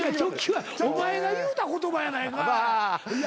お前が言うた言葉やないかい。